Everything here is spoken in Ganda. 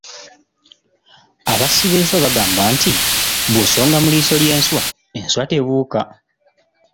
Abassi b’enswa bagamba nti bw’osonga mu liiso ly’enswa, enswa tebuuka.